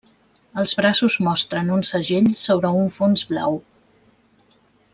Els braços mostren un segell sobre un fons blau.